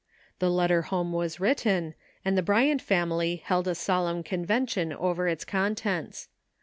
The letter home was written, and the Bryant family held a solemn convention over its contents.